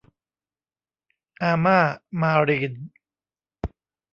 อาม่า มารีน